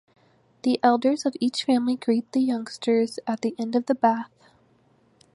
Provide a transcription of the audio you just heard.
The elders of each family greet the youngsters at the end of the bath.